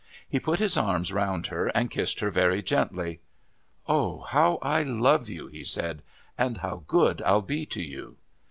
He put his arms around her and kissed her very gently. "Oh, how I love you!" he said, "and how good I'll be to you!"